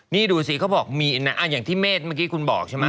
นี่ดูสิเขาบอกมีนะอย่างที่เมฆเมื่อกี้คุณบอกใช่ไหม